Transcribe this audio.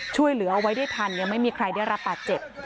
ช่วยเหลือเอาไว้ได้ทันยังไม่มีใครได้รับบาดเจ็บ